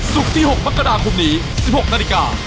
ศุกร์ที่๖มกราคมนี้๑๖นาฬิกา